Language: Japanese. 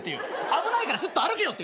危ないからすっと歩けよって。